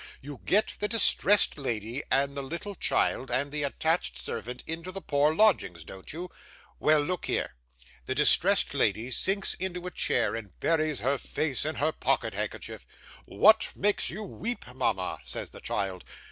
You get the distressed lady, and the little child, and the attached servant, into the poor lodgings, don't you? Well, look here. The distressed lady sinks into a chair, and buries her face in her pocket handkerchief. "What makes you weep, mama?" says the child.